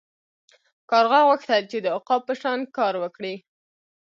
کارغه غوښتل چې د عقاب په شان کار وکړي.